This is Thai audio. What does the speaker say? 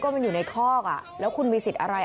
มันอยู่ในคอกอ่ะแล้วคุณมีสิทธิ์อะไร